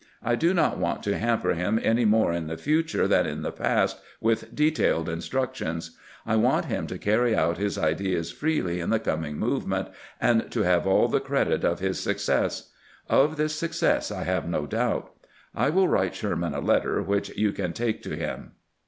I do not want to hamper him any more in the future than in the past with detailed instructions. I want him to carry out his ideas freely in the coming movement, and to have all the credit of its success. Of this success I have no doubt. I win write Sherman a letter, which you can take to him."